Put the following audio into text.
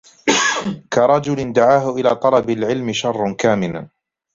كَرَجُلٍ دَعَاهُ إلَى طَلَبِ الْعِلْمِ شَرٌّ كَامِنٌ